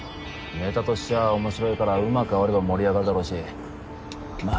ネタとしては面白いからうまくあおれば盛り上がるだろうしま